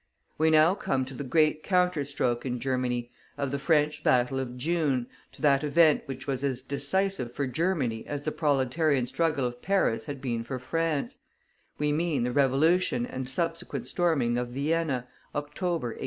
We now come to the great counter stroke in Germany, of the French battle of June, to that event which was as decisive for Germany as the proletarian struggle of Paris had been for France; we mean the revolution and subsequent storming of Vienna, October, 1848.